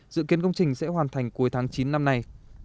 dự kiến công trình sẽ hoàn thành cuối tháng chín năm nay